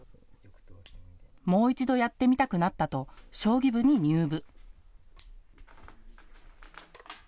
もう一度やってみたくなったと将棋部に入部。